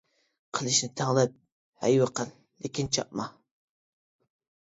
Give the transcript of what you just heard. قىلىچنى تەڭلەپ ھەيۋە قىل، لېكىن چاپما!